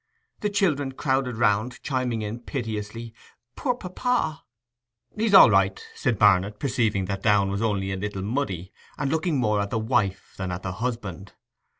The children crowded round, chiming in piteously, 'Poor papa!' 'He's all right,' said Barnet, perceiving that Downe was only a little muddy, and looking more at the wife than at the husband.